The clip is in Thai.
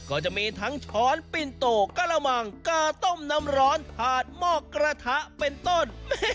ก็จะมีทั้งช้อนปินโตกะละมังกาต้มน้ำร้อนถาดหม้อกระทะเป็นต้น